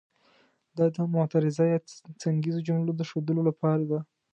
دا د معترضه یا څنګیزو جملو د ښودلو لپاره ده.